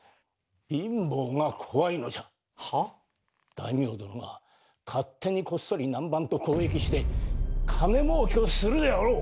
大名どもが勝手にこっそり南蛮と交易して金儲けをするであろう！